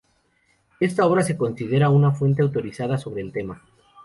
Esta obra se considera una fuente autorizada sobre el tema.